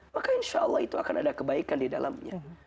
maka insya allah itu akan ada kebaikan di dalamnya